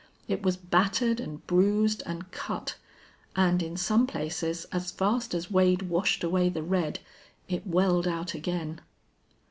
It was battered and bruised and cut, and in some places, as fast as Wade washed away the red, it welled out again.